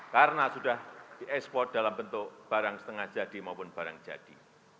karena sudah diekspor dalam bentuk barang setengah jadi maupun barang jadi